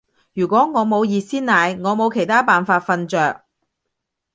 如果我冇熱鮮奶，我冇其他辦法瞓着